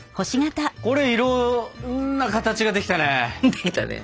これいろんな形ができたね。